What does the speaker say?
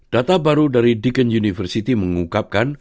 data baru dari deacon university mengungkapkan